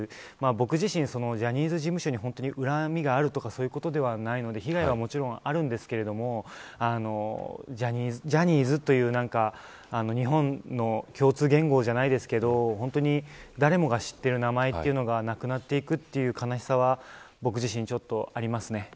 僕、自身ジャニーズ事務所に恨みがあるとかそういうことではないので被害はもちろんあるんですけどジャニーズという日本の共通言語じゃないですけど本当に誰もが知ってる名前がなくなっていくという悲しさは僕自身、ちょっとありますね。